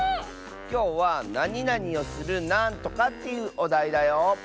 きょうはなになにをするなんとかっていうおだいだよ。